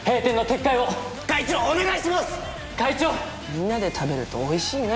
みんなで食べるとおいしいね。